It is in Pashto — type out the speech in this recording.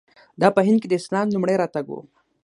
دا په هند کې د اسلام لومړی راتګ و.